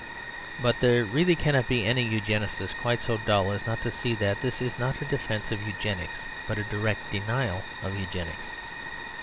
But there really cannot be any Eugenist quite so dull as not to see that this is not a defence of Eugenics but a direct denial of Eugenics.